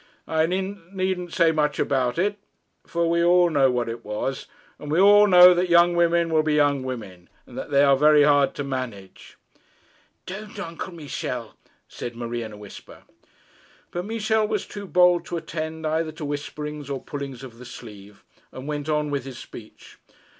I needn't say much about it, for we all know what it was. And we all know that young women will be young women, and that they are very hard to manage.' 'Don't, Uncle Michel' said Marie in a whisper. But Michel was too bold to attend either to whisperings or pullings of the sleeve, and went on with his speech.